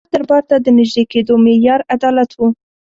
د خلافت دربار ته د نژدې کېدو معیار عدالت و.